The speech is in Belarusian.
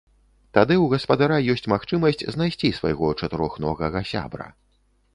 Тады ў гаспадара ёсць магчымасць знайсці свайго чатырохногага сябра.